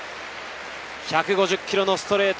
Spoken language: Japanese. １５０キロのストレート。